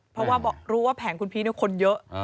เพราะว่ารู้ว่าแผงคุณพีชคนเยอะ